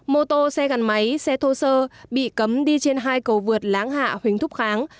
mô tô xe gắn máy xe thô sơ bị cấm đi trên hai cầu vượt láng hạ huỳnh thúc kháng